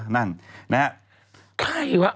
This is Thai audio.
ใครวะ